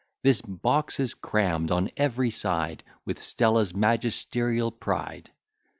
This box is cramm'd on every side With Stella's magisterial pride.